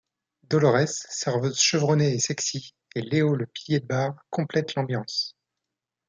Dolores, serveuse chevronnée et sexy, et Leo le pilier de bar, complètent l'ambiance.